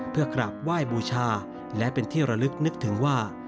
เพื่อกราบไหว้บูชาและเป็นที่ระลึกนึกถึงว่า